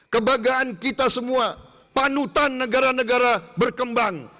kebanggaan kita semua panutan negara negara berkembang